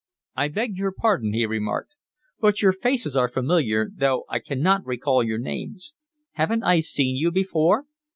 "I beg your pardon," he remarked, "but your faces are familiar, though I cannot recall your names. Haven't I seen you before?"